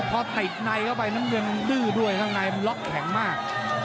พอติดในเข้าไปน้ำเงินดื้อด้วยข้างในมันล็อกแข็งมาก